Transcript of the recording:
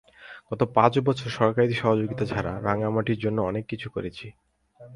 গত পাঁচ বছর সরকারি সহযোগিতা ছাড়া রাঙামাটির জন্য অনেক কিছু করেছি।